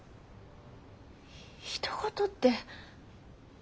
ひと事って。